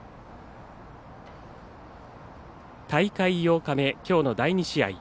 大会８日目、きょうの第２試合。